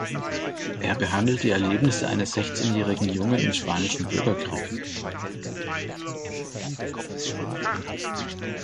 Er behandelt die Erlebnisse eines sechzehnjährigen Jungen im Spanischen Bürgerkrieg.